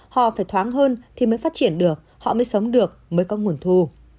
họ phải thoáng hơn thì mới phát triển được họ mới sống được mới có nguồn thu